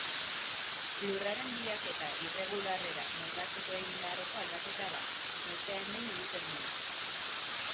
Lurraren biraketa irregularrera moldatzeko egin beharreko aldaketa da, noizean behin egiten dena.